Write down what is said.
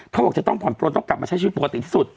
เขาบอกจะต้องผ่อนปลนต้องกลับมาใช้ชีวิตปกติที่สุด